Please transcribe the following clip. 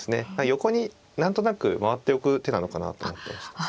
横に何となく回っておく手なのかなと思ったんですけど。